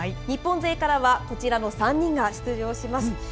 日本勢からはこちらの３人が出場します。